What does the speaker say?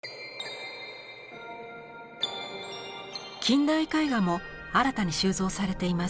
近代絵画も新たに収蔵されています。